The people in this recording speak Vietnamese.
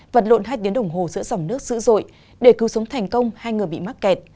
vật lộn hai tiếng đồng hồ giữa dòng nước dữ dội để cứu sống thành công hai người bị mắc kẹt